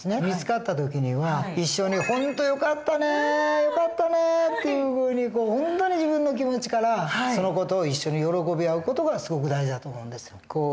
見つかった時には一緒に「本当よかったねよかったね」というふうに本当に自分の気持ちからその事を一緒に喜び合う事がすごく大事だと思うんですよ。